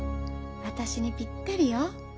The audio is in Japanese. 私にぴったりよ。